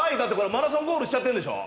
マラソンゴールしちゃってるでしょ。